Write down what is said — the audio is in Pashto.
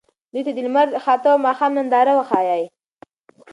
دوی ته د لمر خاته او ماښام ننداره وښایئ.